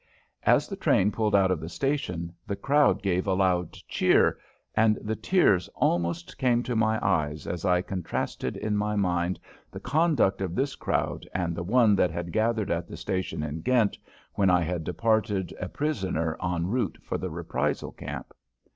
As the train pulled out of the station the crowd gave a loud cheer, and the tears almost came to my eyes as I contrasted in my mind the conduct of this crowd and the one that had gathered at the station in Ghent when I had departed a prisoner en route for the reprisal camp.